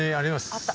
あった。